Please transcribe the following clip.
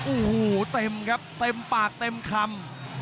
โอ้โหเต็มครับเต็มปากเต็มคำ